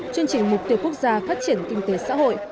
chương trình mục tiêu quốc gia phát triển kinh tế xã hội